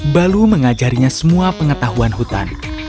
balu mengajarinya semua pengetahuan hutan